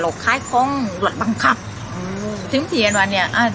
สุดท้ายสุดท้ายสุดท้ายสุดท้าย